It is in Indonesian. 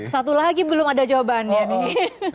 satu lagi belum ada jawabannya nih